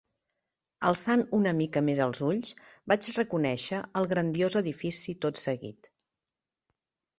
Alçant una mica més els ulls, vaig reconèixer el grandiós edifici tot seguit.